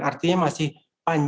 artinya masih panjang